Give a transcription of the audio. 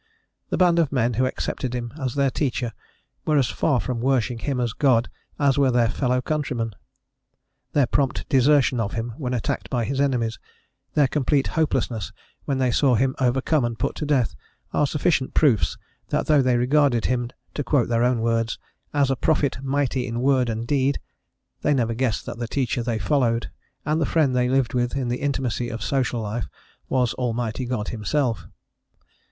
The band of men who accepted him as their teacher were as far from worshipping him as God as were their fellow countrymen: their prompt desertion of him when attacked by his enemies, their complete hopelessness when they saw him overcome and put to death, are sufficient proofs that though they regarded him to quote their own words as a "prophet mighty in word and deed," they never guessed that the teacher they followed, and the friend they lived with in the intimacy of social life was Almighty God Himself.